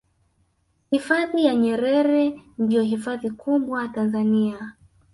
hifadhi ya nyerere ndiyo hifadhi kubwa tanzania